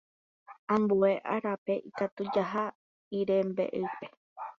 Ambue árape ikatu jaha yrembe'ýpe.